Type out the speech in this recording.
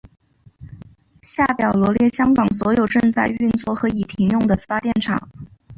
下表罗列香港所有正在运作和已停用的发电厂。